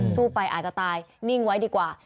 สู้ไปอาจจะตายนิ่งไว้ดีกว่า